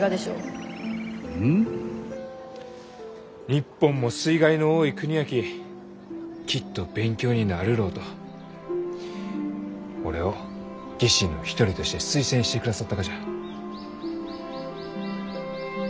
日本も水害の多い国やききっと勉強になるろうと俺を技師の一人として推薦してくださったがじゃ。